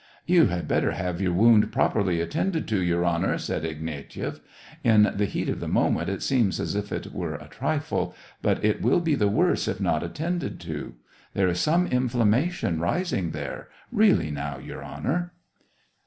" You had better have your wound properly attended to. Your Honor," said Ignatieff. " In the heat of the moment, it seems as if it were a trifle ; but it will be the worse if not attended to. I06 SEVASTOPOL IN MAY. There is some inflammation rising there ... real ly, now, Your Honor."